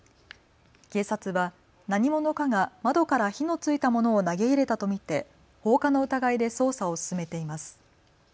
警察は何者かが窓から火のついたものを投げ入れたと見て放火の疑いで捜査を進めています。